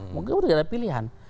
mungkin bergala pilihan